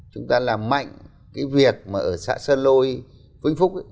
chúng ta làm mạnh cái việc mà ở xã sơn lôi vinh phúc